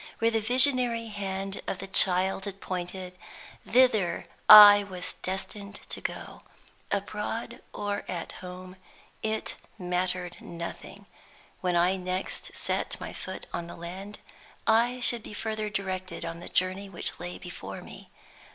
Where the visionary hand of the child had pointed, thither I was destined to go. Abroad or at home, it mattered nothing: when I next set my foot on the land, I should be further directed on the journey which lay before me.